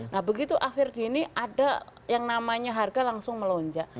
nah begitu akhir gini ada yang namanya harga langsung melonjak